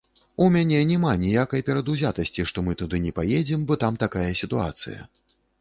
У мяне няма ніякай перадузятасці, што мы туды не паедзем, бо там такая сітуацыя!